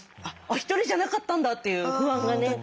あっ１人じゃなかったんだっていう不安がね